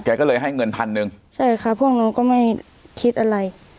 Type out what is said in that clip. ก็เลยให้เงินพันหนึ่งใช่ค่ะพวกหนูก็ไม่คิดอะไร